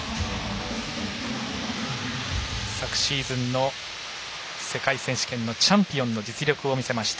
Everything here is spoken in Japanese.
昨シーズンの世界選手権のチャンピオンの実力を見せました。